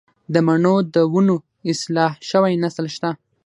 د مڼو د ونو اصلاح شوی نسل شته